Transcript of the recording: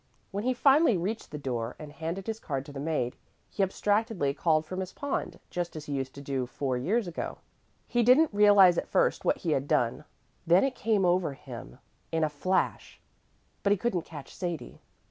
When he finally reached the door and handed his card to the maid, he abstractedly called for Miss Pond just as he used to do four years ago. He didn't realize at first what he had done. Then it came over him in a flash, but he couldn't catch Sadie.